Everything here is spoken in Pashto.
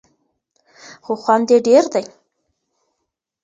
خو خوند یې ډېر دی.